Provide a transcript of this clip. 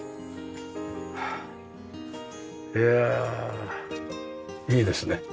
いやあいいですね。